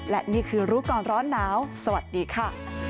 และนี่คือรู้ก่อนร้อนหนาวสวัสดีค่ะ